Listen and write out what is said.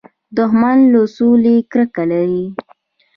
دښمن له سولې کرکه لري